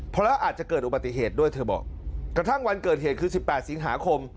เพราะแล้วอาจจะเกิดอุบัติเหตุด้วยเธอบอกกระทั่งวันเกิดเหตุคือ๑๘สิงหาคม